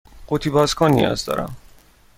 قوطی باز کن نیاز دارم.